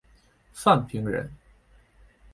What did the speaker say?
范平人。